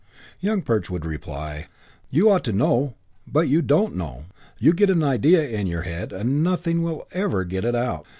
Young Perch would reply, "You ought to know, but you don't know. You get an idea in your head and nothing will ever get it out.